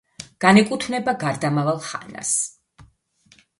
განეკუთნება გარდამავალ ხანას.